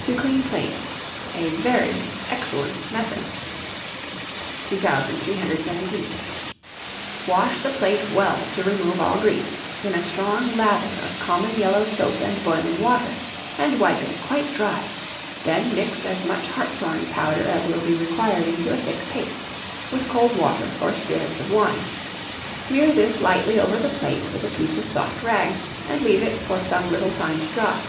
To Clean Plate. A very excellent method. [Illustration: PLATE BRUSH.] 2317. Wash the plate well to remove all grease, in a strong lather of common yellow soap and boiling water, and wipe it quite dry; then mix as much hartshorn powder as will be required, into a thick paste, with cold water or spirits of wine; smear this lightly over the plate with a piece of soft rag, and leave it for some little time to dry.